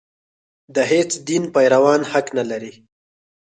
د هېڅ دین پیروان حق نه لري.